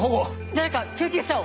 誰か救急車を！